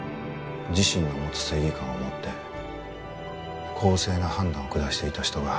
自身の持つ正義感をもって公正な判断を下していた人が